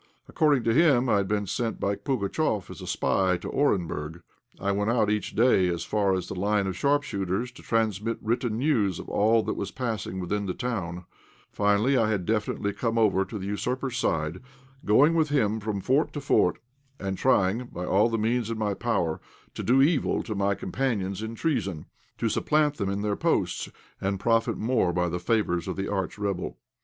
According to him, I had been sent by Pugatchéf as a spy to Orenburg; I went out each day as far as the line of sharpshooters to transmit written news of all that was passing within the town; finally, I had definitely come over to the usurper's side, going with him from fort to fort, and trying, by all the means in my power, to do evil to my companions in treason, to supplant them in their posts, and profit more by the favours of the arch rebel.